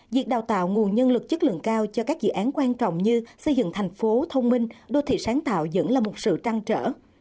việc đào tạo nguồn nhân lực chất lượng cao cho các dự án quan trọng như xây dựng thành phố thông minh đô thị sáng tạo vẫn là một sự trăng trở